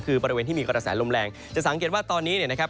คือบริเวณที่มีกระแสลมแรงจะสังเกตว่าตอนนี้เนี่ยนะครับ